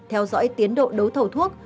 theo dõi tiến độ đấu thầu thuốc